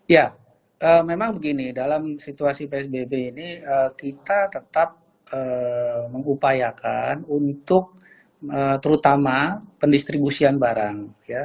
ya memang begini dalam situasi psbb ini kita tetap mengupayakan untuk terutama pendistribusian barang